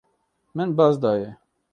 Min baz daye.